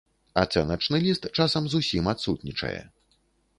Ацэначны ліст часам зусім адсутнічае.